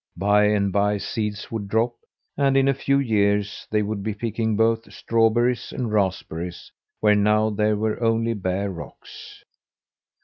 By and by seeds would drop, and in a few years they would be picking both strawberries and raspberries where now there were only bare rocks.